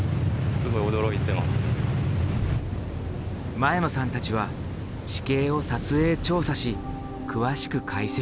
前野さんたちは地形を撮影調査し詳しく解析。